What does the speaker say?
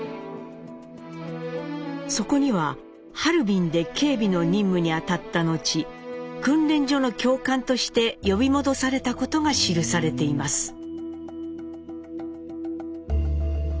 そこにはハルビンで警備の任務に当たった後訓練所の教官として呼び戻されたことが記されています。